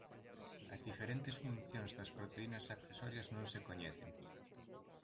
As diferentes funcións das proteínas accesorias non se coñecen.